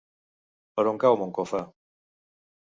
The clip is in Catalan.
Per on cau Moncofa?